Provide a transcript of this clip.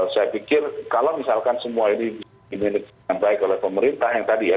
saya pikir kalau misalkan semua ini dimiliki dengan baik oleh pemerintah yang tadi ya